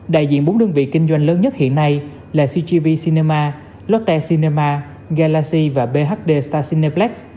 đại diện bốn đơn vị kinh doanh lớn nhất hiện nay là cgv cinema lotte cinema galaxy và bhd star cineplex